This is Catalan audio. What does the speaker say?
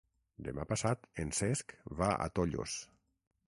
Demà passat en Cesc va a Tollos.